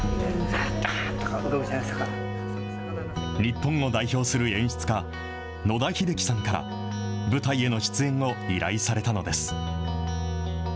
日本を代表する演出家、野田秀樹さんから舞台への出演を依頼されたのです。